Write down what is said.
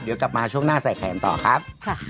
เดี๋ยวกลับมาช่วงหน้าใส่แขนต่อครับ